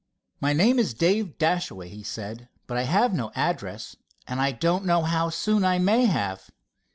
"My name is Dave Dashaway," he said, "but I have no address, and don't know how soon I may have."